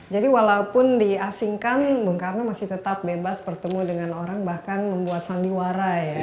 jadi walaupun diasingkan bung karno masih tetap bebas bertemu dengan orang bahkan membuat sandiwara ya